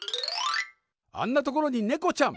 あんなところにネコちゃん。